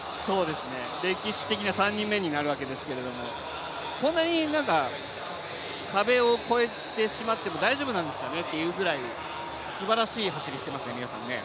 歴史的な３人目になるわけですけれども、こんなに壁を越えてしまっても大丈夫なんですかねっていうぐらいすばらしい走りしていましたね。